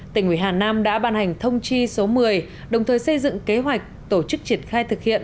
tỉnh ủy hà nam đã ban hành thông chi số một mươi đồng thời xây dựng kế hoạch tổ chức triển khai thực hiện